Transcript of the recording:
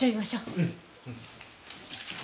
うん。